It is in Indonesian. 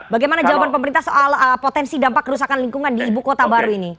bagaimana jawaban pemerintah soal potensi dampak kerusakan lingkungan di ibu kota baru ini